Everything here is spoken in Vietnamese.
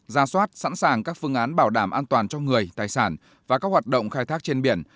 ra soát sẵn sàng các phương án bảo đảm an toàn cho người tài sản và các hoạt động khai thác trên biển